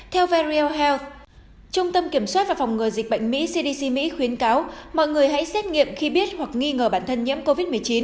theo ver health trung tâm kiểm soát và phòng ngừa dịch bệnh mỹ cdc mỹ khuyến cáo mọi người hãy xét nghiệm khi biết hoặc nghi ngờ bản thân nhiễm covid một mươi chín